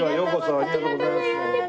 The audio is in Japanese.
ありがとうございます。